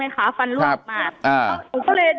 แต่คุณยายจะขอย้ายโรงเรียน